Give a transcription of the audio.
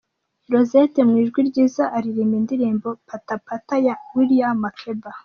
Rosette mu ijwi ryiza aririmba indirimbo"Pata pata" ya William Makeba.